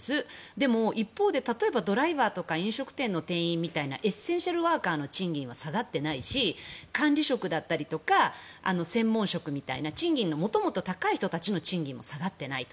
でも、一方で例えばドライバーとか飲食店の店員みたいなエッセンシャルワーカーの賃金は下がってないし管理職だったりとか専門職みたいな賃金の元々高い人たちの賃金も下がっていないと。